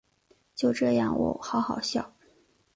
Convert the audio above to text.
就这样喔好好笑